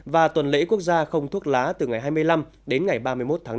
và tuần lễ quốc gia không thuốc lá từ ngày hai mươi năm đến ngày ba mươi một tháng bốn